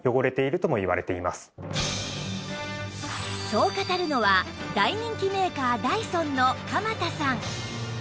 そう語るのは大人気メーカーダイソンの鎌田さん